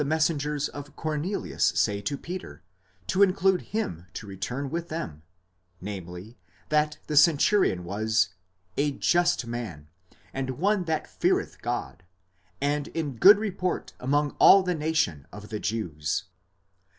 messengers of Cornelius say to Peter to induce him to return with them, 'namely, that the centurion was a just man, and one that feareth God, and in good report among all the nation of the Jews.